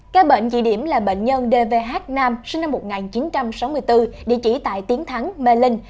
ca bệnh di điểm là bệnh nhân dvh nam sinh năm một nghìn chín trăm sáu mươi bốn địa chỉ tại tiến thắng mê linh